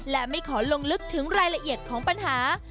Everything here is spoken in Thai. และไม่ขอลงลึกถึงรายละเอียดของปัญหา